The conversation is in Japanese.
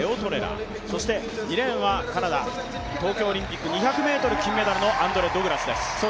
そして２レーンは、カナダ、東京オリンピック２００ｍ金メダルのアンドレ・ドグラスです。